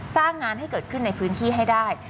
สร้างงานให้เกิดขึ้นในพื้นที่ให้ได้